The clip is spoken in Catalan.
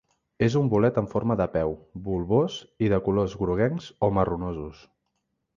És un bolet en forma de peu, bulbós, i de colors groguencs o marronosos.